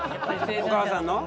お母さんの？